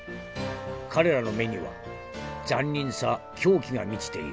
彼らの目には残忍さ狂気が満ちている。